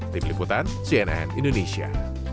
tim liputan cnn indonesia